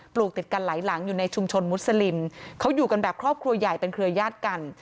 ลูกติดกันหลายหลังอยู่ในชุมชนมุสลิมเขาอยู่กันแบบครอบครัวใหญ่เป็นเครือญาติกัน